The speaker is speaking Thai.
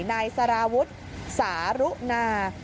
นายสารวุฒิสารุนา